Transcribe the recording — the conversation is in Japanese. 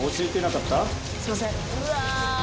すいません。